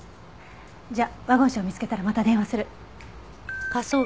じゃワゴン車を見つけたらまた電話する。